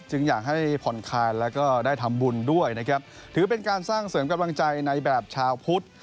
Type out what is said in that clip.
อยากให้ผ่อนคลายแล้วก็ได้ทำบุญด้วยนะครับถือเป็นการสร้างเสริมกำลังใจในแบบชาวพุทธ